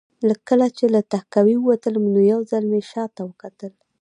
کله چې له تهکوي وتلم نو یو ځل مې شا ته وکتل